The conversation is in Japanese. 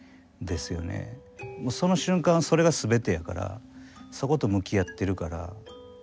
その瞬間それがすべてやからそこと向き合ってるから。